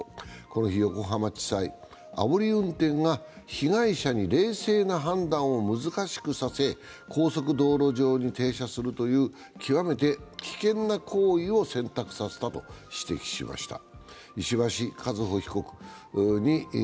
この日、横浜地裁、あおり運転が被害者に冷静な判断を難しくさせ高速道路上に停車するという極めて危険な行為を選択させたと指摘しました。